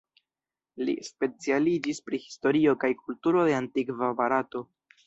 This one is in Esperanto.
Li specialiĝis pri historio kaj kulturo de antikva Barato.